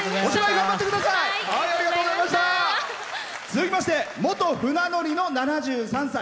続きまして元船乗りの７３歳。